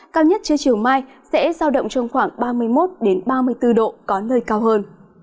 cao nhất trưa chiều mai sẽ giao động trong khoảng ba mươi một ba mươi bốn độ có nơi cao hơn